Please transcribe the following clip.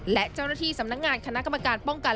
และเจ้าหน้าที่สำนักงานคณะกรรมการป้องกัน